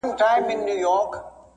د مينې نه توبه کړمه د مېنې نه منکر شم